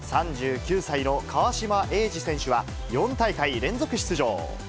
３９歳の川島永嗣選手は４大会連続出場。